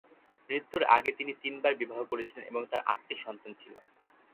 মৃত্যুর আগে তিনি তিনবার বিবাহ করেছিলেন এবং তার আট টি সন্তান ছিল।